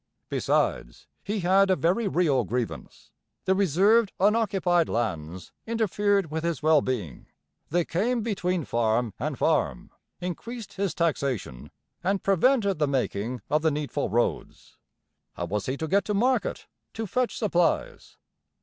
Besides, he had a very real grievance: the reserved unoccupied lands interfered with his well being; they came between farm and farm, increased his taxation, and prevented the making of the needful roads. How was he to get to market? to fetch supplies?